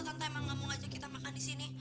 pak samin ngapain di sini